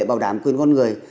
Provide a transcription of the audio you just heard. bảo đảm quyền con người